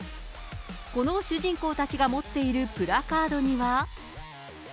この主人公たちが持っているプラカードには。